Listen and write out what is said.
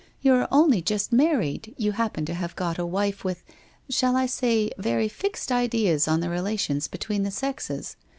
You are only just mar ried, you happen to have got a wife with — shall we say very fixed ideas on the relations between the sexes?